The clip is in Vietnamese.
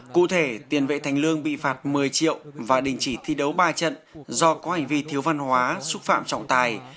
cụ thể tiền vệ thành lương bị phạt một mươi triệu và đình chỉ thi đấu ba trận do có hành vi thiếu văn hóa xúc phạm trọng tài